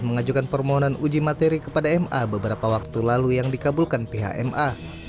mengajukan permohonan uji materi kepada ma beberapa waktu lalu yang dikabulkan pihak ma